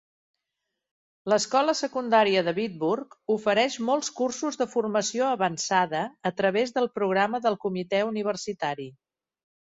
L'escola secundària de Bitburg ofereix molts cursos de formació avançada a través del programa del comitè universitari.